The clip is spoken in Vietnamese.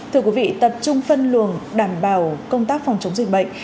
thưa quý vị tập trung phân luồng đảm bảo công tác phòng chống dịch bệnh